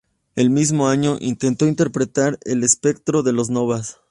El mismo año intentó interpretar el espectro de las novas.